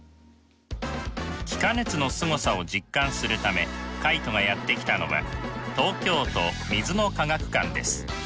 気化熱のすごさを実感するためカイトがやって来たのは東京都水の科学館です。